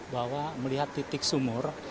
bahwa melihat titik sumur